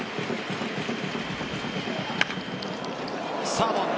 サード。